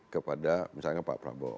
kepada misalnya pak prabowo